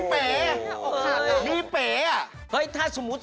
เสาคำยันอาวุธิ